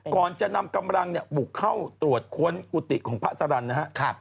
ก่อนจะนำกำลังบุกเข้าตรวจค้นกุฏิของพระสรรค์นะครับ